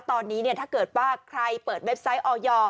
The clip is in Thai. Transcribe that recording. ตอนนี้ถ้าเกิดว่าใครเปิดเว็บไซต์ออย